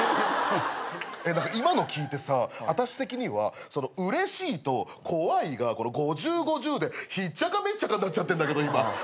今の聞いてさあたし的にはうれしいと怖いが５０５０でひっちゃかめっちゃかになっちゃってるんだけど今。